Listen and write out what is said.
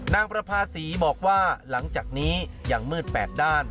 ประภาษีบอกว่าหลังจากนี้ยังมืด๘ด้าน